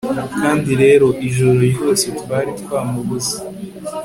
kandi rero, ijoro ryose- twari twamubuze